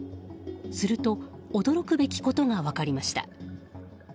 すると驚くべきことが分かりました。